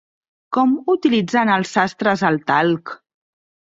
Com utilitzen els sastres el talc?